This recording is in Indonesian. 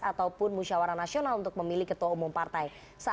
ataupun musyawara nasional untuk memilih ketua umum partai